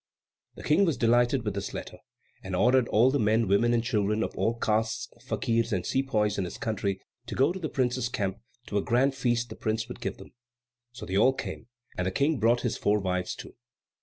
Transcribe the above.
The King was delighted with this letter, and ordered all the men, women, and children of all castes, fakirs, and sepoys, in his country to go to the prince's camp to a grand feast the prince would give them. So they all came, and the King brought his four wives too.